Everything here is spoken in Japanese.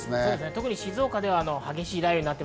特に静岡で激しい雷雨になっ